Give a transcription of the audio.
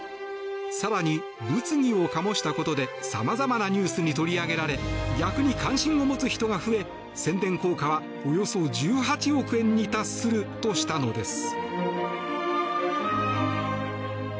更に、物議を醸したことでさまざまなニュースに取り上げられ逆に関心を持つ人が増え宣伝効果はおよそ１８億円に達するとしたのです。